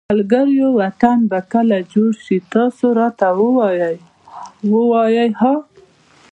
ملګروو وطن به کله جوړ شي تاسو راته ووایی ها